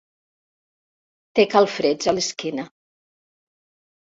Té calfreds a l'esquena.